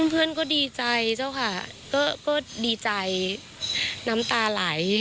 เพื่อนก็ดีใจเจ้าค่ะก็ดีใจน้ำตาไหล